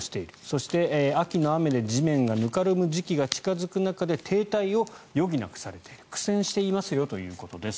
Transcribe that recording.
そして秋の雨で地面がぬかるむ時期が近付く中で停滞を余儀なくされている苦戦していますということです。